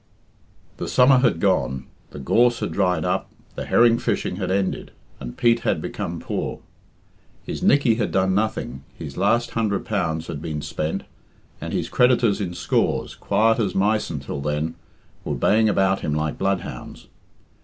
The summer had gone, the gorse had dried up, the herring fishing had ended, and Pete had become poor. His Nickey had done nothing, his last hundred pounds had been spent, and his creditors in scores, quiet as mice until then, were baying about him like bloodhounds.